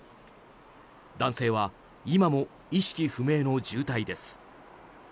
男性は今も意識不明の重体です。